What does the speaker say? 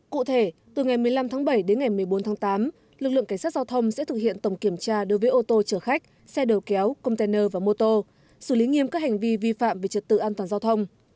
cụ thể từ ngày một mươi năm tháng bảy đến ngày một mươi bốn tháng tám lực lượng cảnh sát giao thông sẽ thực hiện tổng kiểm tra đối với ô tô chở khách xe đầu kéo container và mô tô xử lý nghiêm các hành vi vi phạm về trật tự an toàn giao thông